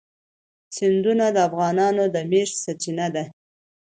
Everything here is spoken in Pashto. سیندونه د افغانانو د معیشت سرچینه ده.